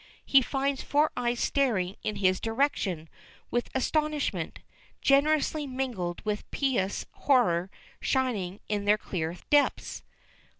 He finds four eyes staring in his direction with astonishment, generously mingled with pious horror shining in their clear depths.